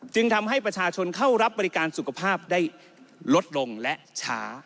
จึงทำให้ประชาชนเข้ารับบริการสุขภาพได้ลดลงและช้า